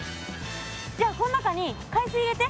じゃあこの中に海水入れて。